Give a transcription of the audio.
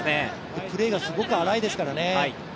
プレーがすごく荒いですからね。